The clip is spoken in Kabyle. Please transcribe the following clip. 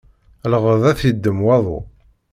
Iɣed, ad t-iddem waḍu.